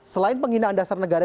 selain pengindahan dasar negara